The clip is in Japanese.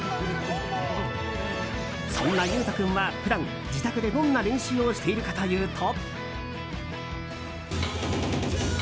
そんな勇翔君は普段自宅でどんな練習をしているかというと。